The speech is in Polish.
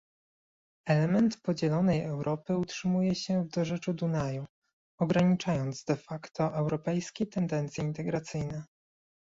Element podzielonej Europy utrzymuje się w dorzeczu Dunaju, ograniczając de facto europejskie tendencje integracyjne